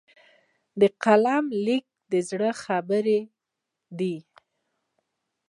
د قلم لیک د زړه خبرې دي.